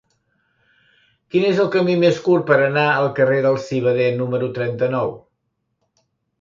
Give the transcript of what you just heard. Quin és el camí més curt per anar al carrer del Civader número trenta-nou?